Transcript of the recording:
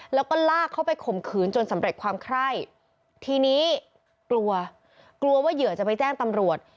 แล้วก็ลากเข้าไปข่มขืนจนสำเร็จความไคร่ทีนี้กลัวกลัวว่าเหยื่อจะไปแจ้งตำรวจ